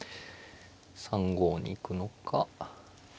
３五に行くのか。